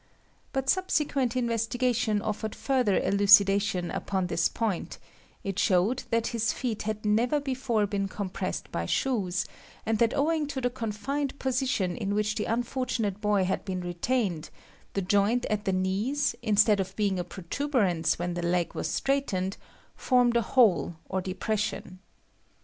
But subsequent investigation offered further elucidation upon this point; it showed that his feet had never before been compressed by shoes, and that owing to the confined position in which the unfortunate boy had been retained, the joint at the knees, instead of being a protuberance when the leg was straightened, formed a hole or depression.